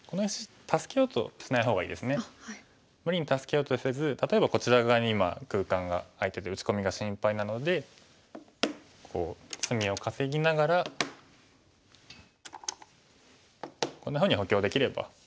無理に助けようとせず例えばこちら側に今空間が空いてて打ち込みが心配なのでこう隅を稼ぎながらこんなふうに補強できれば。